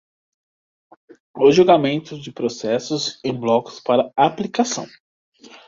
o julgamento de processos em bloco para aplicação